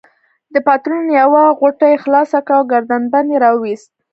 د پتلون یوه غوټه يې خلاصه کړه او ګردن بند يې راوایست.